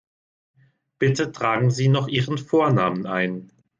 Bitte tragen Sie noch Ihren Vornamen ein.